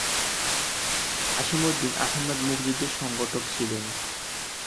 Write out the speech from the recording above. কাসিম উদ্দিন আহমেদ মুক্তিযুদ্ধের সংগঠক ছিলেন।